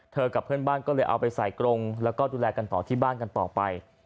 กับเพื่อนบ้านก็เลยเอาไปใส่กรงแล้วก็ดูแลกันต่อที่บ้านกันต่อไป